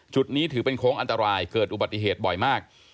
จุดนี้ถือเป็นโค้งอันตรายเกิดอุบัติเหตุบ่อยมาก